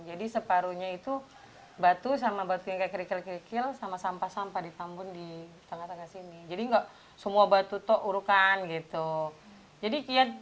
jadi kira tergantung dari kita ya memangnya kalau memang kita niat pengen punya rumah apapun ya kita hituin gitu